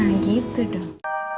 nah gitu dong